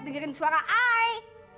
dengerin suara i